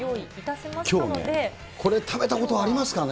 きょうね、これ食べたことありますかね？